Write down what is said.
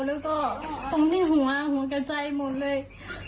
แล้วก็ตรงที่หัวหัวกระจายหมดเลย